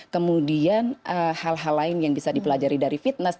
kemudian hal hal lain yang bisa dipelajari dari fitness